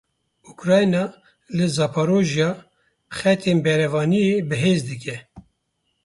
Ukrayna li Zaporojiya xetên berevaniyê bihêz dike.